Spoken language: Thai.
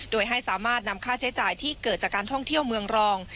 โดยให้สามารถนำค่าใช้จ่ายที่เกิดจากการท่องเที่ยวเมืองรอง